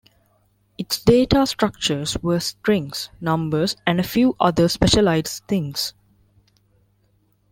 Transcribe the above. Its data structures were strings, numbers and a few other specialized things.